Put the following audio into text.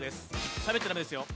しゃべっちゃ駄目ですよ。